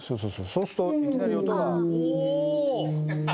そうするといきなり音が。